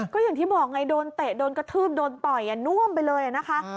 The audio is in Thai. ก็อย่างที่บอกไงโดนเตะโดนกระทืบโดนต่อยน่วมไปเลยนะคะ